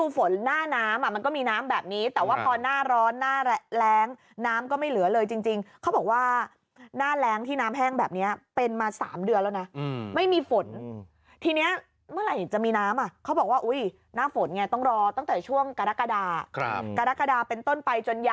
ป้ามะไล่แกก็ขายแบบส้มปัมอะไรอยู่แถวนั้น